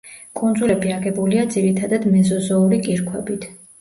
კუნძულები აგებულია ძირითადად მეზოზოური კირქვებით.